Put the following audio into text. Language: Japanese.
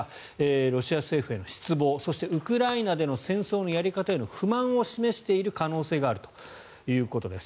ロシア政府への失望そして、ウクライナでの戦争のやり方への不満を示している可能性があるということです。